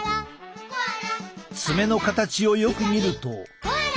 爪の形をよく見ると。